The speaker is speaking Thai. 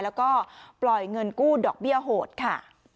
แล้วก็ปล่อยเงินกู้ดอกเบี้ยโหดค่ะ